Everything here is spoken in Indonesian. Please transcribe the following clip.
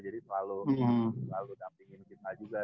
jadi selalu dampingin kita juga